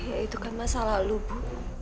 ya itu kan masalah lo bu